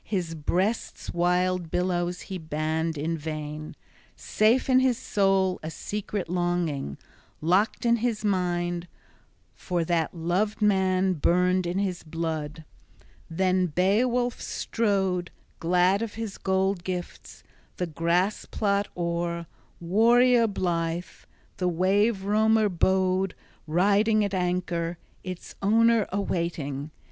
his breast's wild billows he banned in vain; safe in his soul a secret longing, locked in his mind, for that loved man burned in his blood. Then Beowulf strode, glad of his gold gifts, the grass plot o'er, warrior blithe. The wave roamer bode riding at anchor, its owner awaiting.